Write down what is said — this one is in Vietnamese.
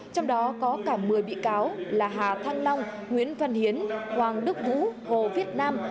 trong đó có cả một mươi bị cáo là hà thăng long nguyễn văn hiến hoàng đức vũ hồ viết nam